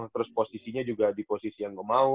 terus posisinya juga di posisi yang nggak mau